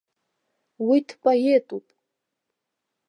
Уи дпоетуп!